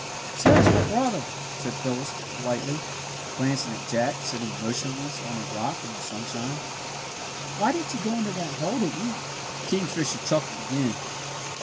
"So does my brother," said Phyllis, politely, glancing at Jack sitting motionless on a rock in the sunshine. "Why did you go into that hole to eat?" The kingfisher chuckled again.